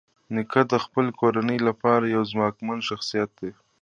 نیکه د خپلې کورنۍ لپاره یو ځواکمن شخصیت دی.